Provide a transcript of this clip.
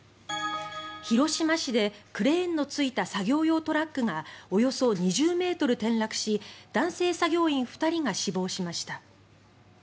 広島市でクレーンのついた作業用トラックがおよそ２０ｍ転落し男性作業員２人が死亡しました。